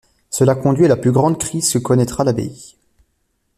Cela conduit à la plus grande crise que connaîtra l’abbaye.